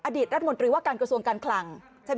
อดีตรัฐมนตรีว่าการกระทรวงการคลังใช่ไหม